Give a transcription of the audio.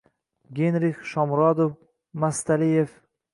Geynrix, Shomurodov, Maxstaliyev